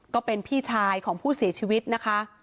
ก็เป็นพี่ชายของผู้เสียชีวิตนะคะ